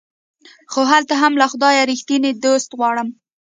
خو هلته هم له خدايه ريښتيني دوست غواړم